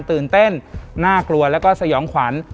ตื่นเต้นน่ากลัวแล้วก็สยองขวัญ